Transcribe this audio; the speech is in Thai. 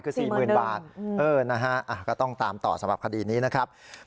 คือ๔๐๐๐บาทนะฮะก็ต้องตามต่อสำหรับคดีนี้นะครับ